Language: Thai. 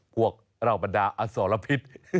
พวกเราบรรดาอสรพิษ